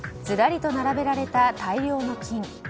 ずらりと並べられた大量の金。